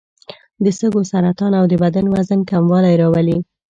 د سږو سرطان او د بدن وزن کموالی راولي.